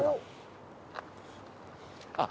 あっ。